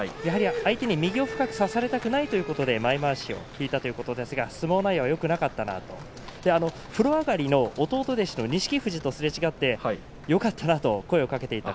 相手に右を深く差されたくないということで前まわしを引いたということですが相撲内容はよくなかったなと風呂上がりの弟弟子の錦富士とすれ違ってよかったなと声をかけてきた。